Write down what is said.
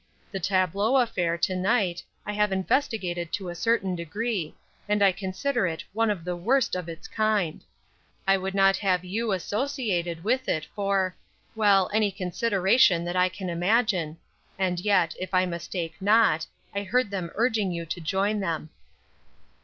The tableau affair, to night, I have investigated to a certain degree, and I consider it one of the worst of its kind. I would not have you associated with it for well, any consideration that I can imagine; and yet, if I mistake not, I heard them urging you to join them."